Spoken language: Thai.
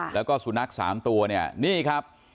แล้วก็สุนัข๓ตัวนี่ครับ